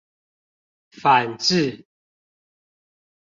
反智